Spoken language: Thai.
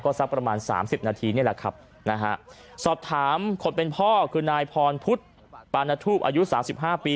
ก็สักประมาณ๓๐นาทีนี่แหละครับสอบถามคนเป็นพ่อคือนายพรพุทธปานทุบอายุ๓๕ปี